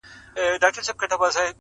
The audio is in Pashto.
ګاونډي دي بچي پلوري له غربته،